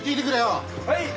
はい。